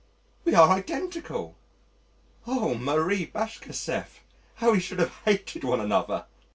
We are identical! Oh, Marie Bashkirtseff! how we should have hated one another!